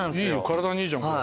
体にいいじゃん。